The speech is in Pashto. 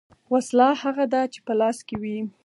ـ وسله هغه ده چې په لاس کې وي .